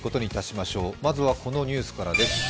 まずは、このニュースからです。